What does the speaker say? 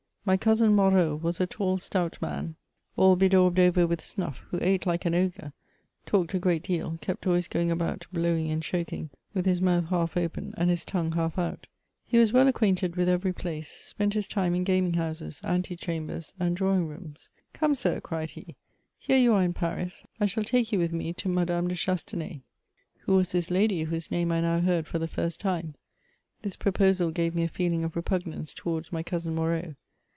My cousin Moreau, was a tall, stout man, all bedaubed over with snuff, who ate like an ogre, talked a great deal, kept always going about, blowing and choking, with his mouth half open, and his tongue half out. He was w^ acquainted with every place, spent his time in gaming houses, anti chambers, and drawing rooms. '^ Come, sir," cried he, *' here you are in Paris ; I shall take you with me to Madame: de Chastenay's." Who was this l&dy, whose name I now heard for the first time ? This proposal gave me a feeling of repugnance towards my cousin Moreau.